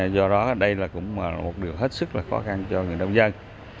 do đó đây cũng là một điều hết sức là khó khăn cho người nông dân